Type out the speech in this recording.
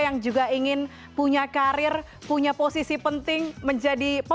yang juga ingin punya karir punya posisi penting menjadi pemain